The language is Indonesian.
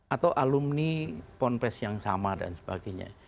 atau alumni ponpes yang sama dan sebagainya